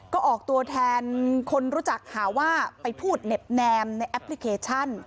ก็ออกตัวแทนคนรู้จักหาว่าไปพูดเหน็บแนมในแอปพลิเคชัน